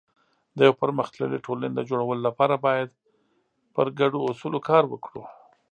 د یو پرمختللي ټولنې د جوړولو لپاره باید پر ګډو اصولو کار وکړو.